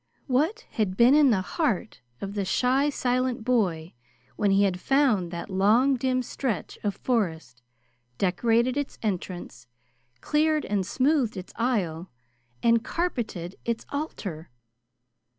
What had been in the heart of the shy, silent boy when he had found that long, dim stretch of forest, decorated its entrance, cleared and smoothed its aisle, and carpeted its altar?